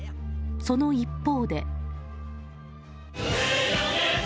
その一方で。